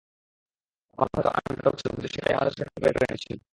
আমরা হয়তো আন্ডারডগ ছিলাম, কিন্তু সেটাই আমাদের সেরাটা বের করে এনেছিল।